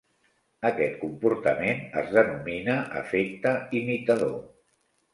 Aquest comportament es denomina "efecte imitador".